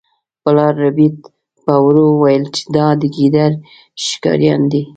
پلار ربیټ په ورو وویل چې دا د ګیدړ ښکاریان دي